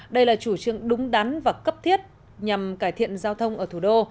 đây là chủ trương đúng đắn và cấp thiết nhằm cải thiện giao thông ở thủ đô